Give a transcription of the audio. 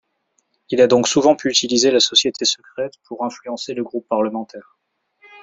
Il a donc souvent pu utiliser la société secrète pour influencer le groupe parlementaire.